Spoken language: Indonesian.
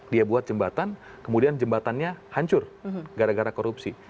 dia buat jembatan kemudian jembatannya hancur gara gara korupsi